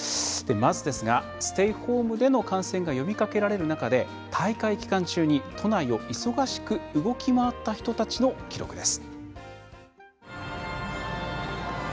まずですが、ステイホームでの観戦が呼びかけられる中で大会期間中に都内を忙しく動き回った人たちの記録です。